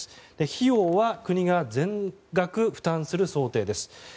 費用は国が全額負担する想定です。